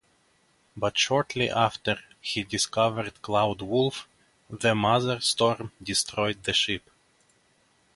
But shortly after he discovered Cloud Wolf, the Mother Storm destroyed the ship.